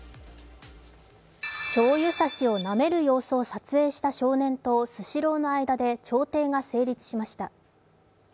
しょうゆ差しをなめる様子を撮影した少年とスシローの間で調停が成立しました。